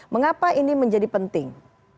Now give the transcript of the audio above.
mengapa ini menjadi penting